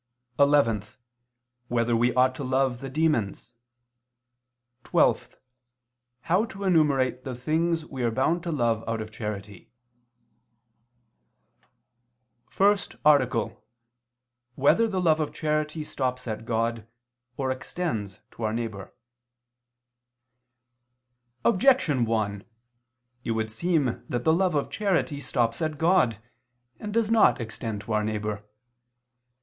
(11) Whether we ought to love the demons? (12) How to enumerate the things we are bound to love out of charity. _______________________ FIRST ARTICLE [II II, Q. 25, Art. 1] Whether the Love of Charity Stops at God, or Extends to Our Neighbor? Objection 1: It would seem that the love of charity stops at God and does not extend to our neighbor.